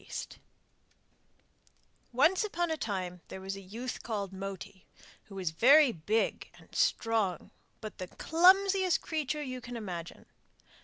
'Moti' Once upon a time there was a youth called Moti, who was very big and strong, but the clumsiest creature you can imagine.